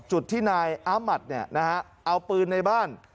จุดที่นายอามัดเนี่ยนะฮะเอาปืนในบ้าน